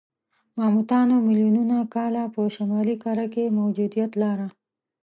ماموتانو میلیونونه کاله په شمالي کره کې موجودیت لاره.